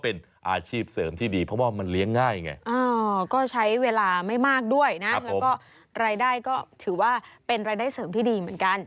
เป็นรายได้เสริมที่ดีเหมือนกัน